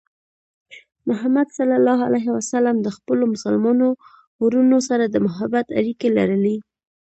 محمد صلى الله عليه وسلم د خپلو مسلمانو وروڼو سره د محبت اړیکې لرلې.